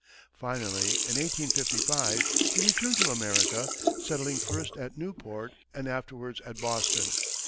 Finally, in 1855, he returned to America, settling first at Newport and afterwards at Boston.